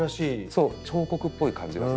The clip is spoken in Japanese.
そう彫刻っぽい感じなんですね。